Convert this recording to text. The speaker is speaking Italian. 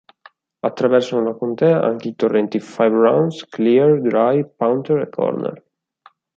Attraversano la contea anche i torrenti Five Runs, Clear, Dry, Panther e Corner.